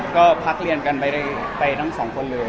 ก็พักเรียนกันไปทั้งสองคนเลย